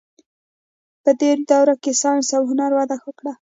په دې دوره کې ساینس او هنر وده وکړه.